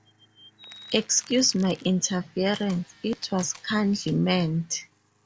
Excuse my interference — it was kindly meant.